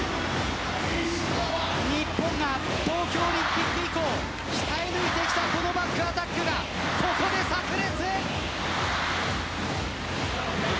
日本が東京オリンピック以降鍛え抜いてきたこのバックアタックがここでさく裂。